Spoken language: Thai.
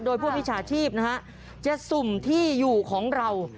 โดยพวกมิจฉาชีพนะฮะจะสุ่มที่อยู่ของเรา